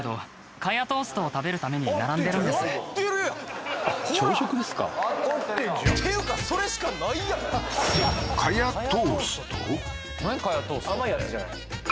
カヤトーストって甘いやつじゃない？